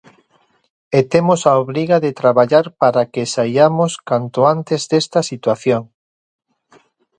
E temos a obriga de traballar para que saiamos canto antes desta situación.